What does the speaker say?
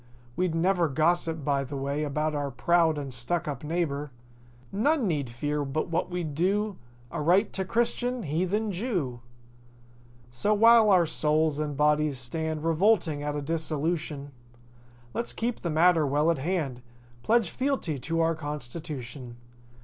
We'd never gossip by the way About our proud and stuckup neighbor. None need fear but what we'd do Aright to Christian—Heathen—^Jew. So while our souls and bodies stand Revolting at a dissolution, Let's keep the matter well at hand— Pledge fealty to our constitution.